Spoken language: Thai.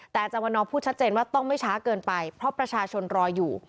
แต่อาจารย์วันนอร์พูดชัดเจนว่าต้องไม่ช้าเกินไปเพราะประชาชนรออยู่